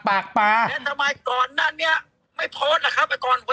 แล้วทำไมก่อนเนี้ยไม่โพสว่ะครับ